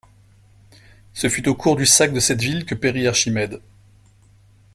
Ce fut au cours du sac de cette ville que périt Archimède.